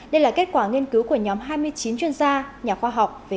đây là kết quả nghiên cứu của nhóm